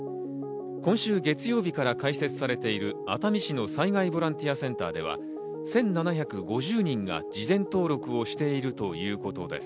今週月曜日から開設されている熱海市の災害ボランティアセンターでは１７５０人が事前登録をしているということです。